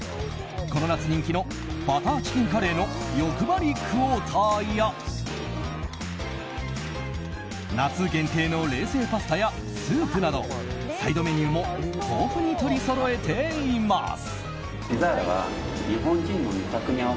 この夏人気のバターチキンカレーのよくばりクォーターや夏限定の冷製パスタやスープなどサイドメニューも豊富に取りそろえています。